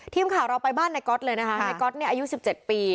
ทีมข่าวเราไปบ้านนายก๊อตเลยนะคะนายก๊อตเนี่ยอายุ๑๗ปี